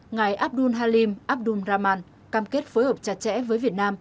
ngài abdul halim abdul rahman cam kết phối hợp chặt chẽ với việt nam